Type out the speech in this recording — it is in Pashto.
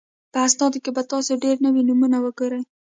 په اسنادو کې به تاسو ډېر نوي نومونه وګورئ.